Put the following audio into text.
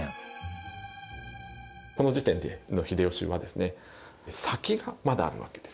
この時点の秀吉は先がまだあるわけです。